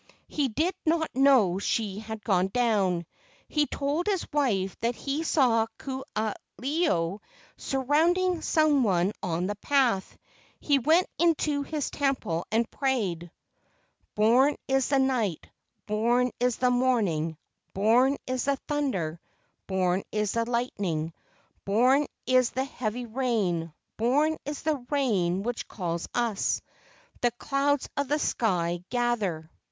He did not know she had gone down. He told his wife that he saw Ku aha ilo surrounding some¬ one on the path. He went into his temple and prayed: "Bom is the night, Bom is the morning, Bom is the thunder, Bom is the lightning, Bom is the heavy rain, Bom is the rain which calls us; The clouds of the sky gather."